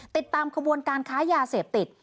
ติดตามขบวนการค้ายาเสพติด